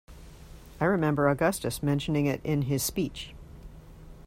I remember Augustus mentioning it in his speech.